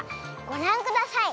ごらんください。